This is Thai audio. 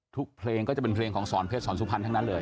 เพลงก็จะเป็นเพลงของสอนเพชรสอนสุพรรณทั้งนั้นเลย